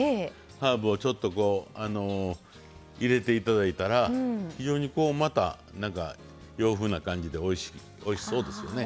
ハーブをちょっとこう入れて頂いたら非常にこうまた洋風な感じでおいしそうですよね。